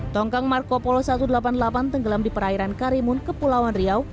tongkang marco polo satu ratus delapan puluh delapan tenggelam di perairan karimun kepulauan riau